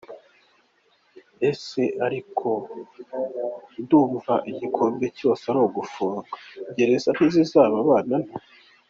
Ariko se ko nduzi igikomye cyose ari ugufungwa gereza ntizizababana nto ?